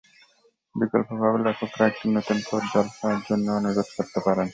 বিকল্পভাবে, লেখকরা একটি নতুন পর্যালোচনার জন্য অনুরোধ করতে পারেন।